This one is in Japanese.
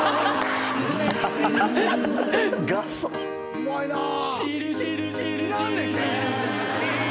うまいなぁ。